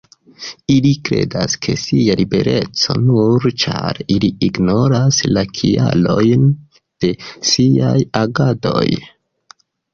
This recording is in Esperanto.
Ili kredas je sia libereco nur ĉar ili ignoras la kialojn de siaj agadoj.